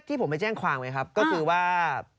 ที่ผมไปแจ้งความไหมครับก็คือว่า